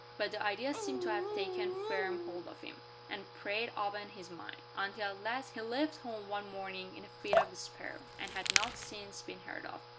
But the idea seemed to have taken firm hold of him, and preyed upon his mind, until at last he left home one morning in a fit of despair, and had not since been heard of.